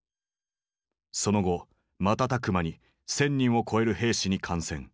その後瞬く間に１，０００人を超える兵士に感染。